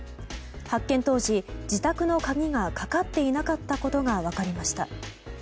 発見当時、自宅の鍵がかかっていなかったことが分かりました。